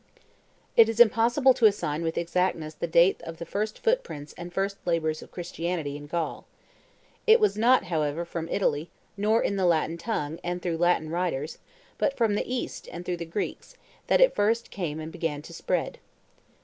It is impossible to assign with exactness the date of the first footprints and first labors of Christianity in Gaul. It was not, however, from Italy, nor in the Latin tongue and through Latin writers, but from the East and through the Greeks, that it first came and began to spread.